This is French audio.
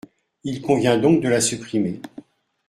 Il convient donc de la supprimer.